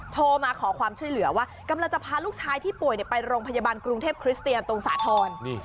โทรมาขอความช่วยเหลือว่ากำลังจะพาลูกชายที่ป่วยไปโรงพยาบาลกรุงเทพคริสเตียนตรงสาธรณ์